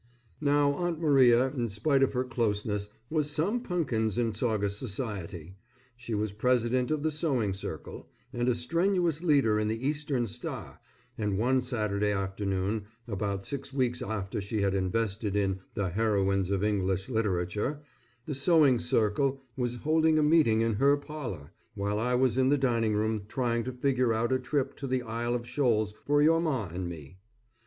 Now Aunt Maria in spite of her closeness, was some punkins in Saugus society. She was president of the Sewing Circle, and a strenuous leader in the Eastern Star, and one Saturday afternoon about six weeks after she had invested in, "The Heroines of English Literature," the Sewing Circle was holding a meeting in her parlor, while I was in the dining room trying to figure out a trip to the Isle of Shoals for your Ma and me.